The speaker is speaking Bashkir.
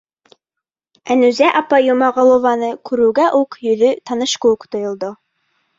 Әнүзә апай Йомағолованы күреүгә үк йөҙө таныш кеүек тойолдо.